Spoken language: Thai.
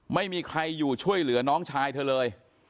ไม่มีใครอยู่ช่วยเหลือน้องชายเธอเลย